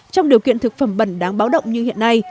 trong điều kiện thực phẩm bẩn đáng báo động như hiện nay